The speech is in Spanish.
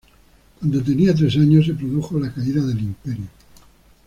Cuando tenía tres años, se produjo la caída del Imperio.